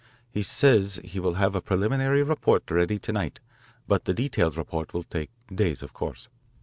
He says he will have a preliminary report ready to night, but the detailed report will take days, of course.